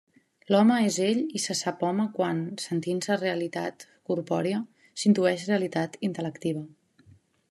L'home és ell i se sap home quan, sentint-se realitat corpòria, s'intueix realitat intel·lectiva.